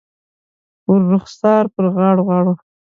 پر رخسار، پر غاړو ، غاړو